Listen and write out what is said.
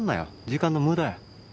時間の無駄や。